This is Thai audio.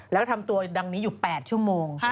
แล้วก็ทำตัวดังนี้อยู่๘ชั่วโมง